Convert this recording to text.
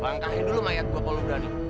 bangkain dulu mayat saya kalau kamu berani